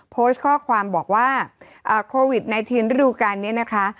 โพสต์ข้อความบอกว่าโควิด๑๙รุกันนะคะ